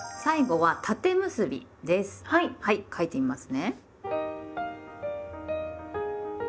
はい書いてみますね。